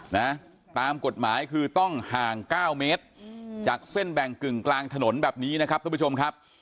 ห่าง๙เมตรจากเส้นแบ่งกึ่งกลางถนนแบบนี้นะครับทุกผู้ชมครับ